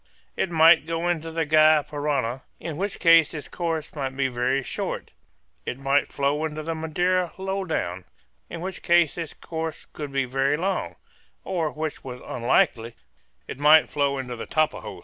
It might go into the Gy Parana, in which case its course must be very short; it might flow into the Madeira low down, in which case its course would be very long; or, which was unlikely, it might flow into the Tapajos.